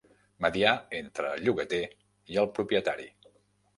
Mediar entre el llogater i el propietari.